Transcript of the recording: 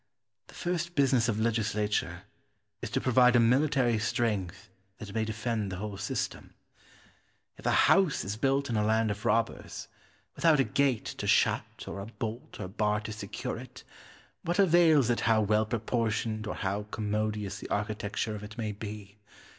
The first business of legislature is to provide a military strength that may defend the whole system. If a house is built in a land of robbers, without a gate to shut or a bolt or bar to secure it, what avails it how well proportioned or how commodious the architecture of it may be?